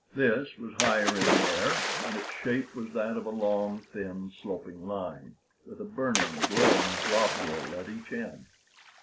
This was higher in the air, and its shape was that of a long, thin, sloping line, with a burning, glowing globule at each end.